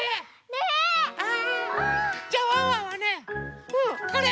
ねえ。じゃあワンワンはねこれ。